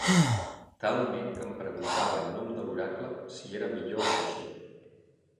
Talment que em preguntava en nom de l'oracle, si era millor ésser així.